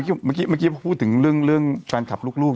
เมื่อกี้พูดถึงเรื่องแฟนคลับลูก